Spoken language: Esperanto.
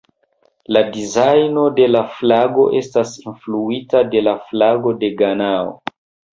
La dizajno de la flago estas influita de la flago de Ganao.